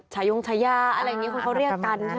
ชายงชายาอะไรอย่างนี้คือเขาเรียกกัน